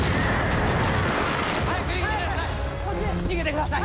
早く逃げてください！